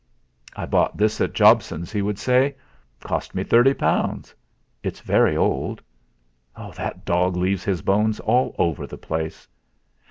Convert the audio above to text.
"I bought this at Jobson's," he would say; "cost me thirty pounds. It's very old. That dog leaves his bones all over the place.